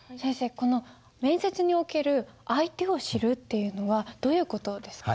この面接における「相手を知る」っていうのはどういう事ですか？